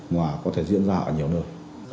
mà có thể diễn ra ở nhiều nơi